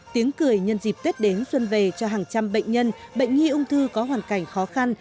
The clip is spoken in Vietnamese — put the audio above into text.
tiếng cười nhân dịp tết đến xuân về cho hàng trăm bệnh nhân bệnh nhi ung thư có hoàn cảnh khó khăn